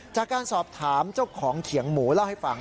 จากการสอบถามเจ้าของเขียงหมูเล่าให้ฟัง